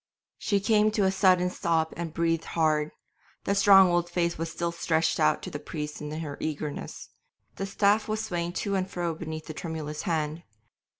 She came to a sudden stop and breathed hard; the strong old face was still stretched out to the priest in her eagerness; the staff was swaying to and fro beneath the tremulous hand.